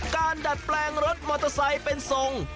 ดัดแปลงรถมอเตอร์ไซค์เป็นทรง